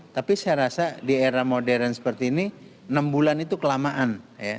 tapi saya rasa di era modern seperti ini enam bulan itu kelamaan